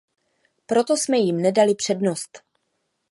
Proto jsme jim nedali přednost.